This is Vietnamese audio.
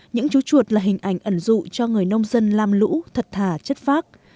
những chú chuột là hình ảnh ẩn dụ cho người nông dân lam lũ thật thà chất phác